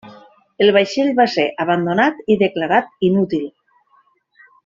El vaixell va ser abandonat i declarat inútil.